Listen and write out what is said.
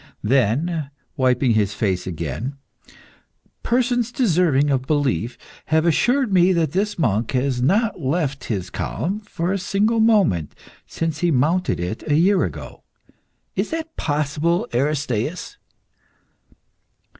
Then, wiping his face again "Persons deserving of belief have assured me that this monk has not left his column for a single moment since he mounted it a year ago. Is that possible, Aristaeus?"